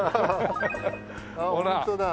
ホントだ！